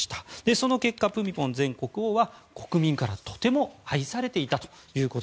その結果、プミポン前国王は国民からとても愛されていたと。